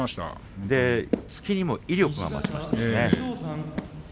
突きにも威力が増しました。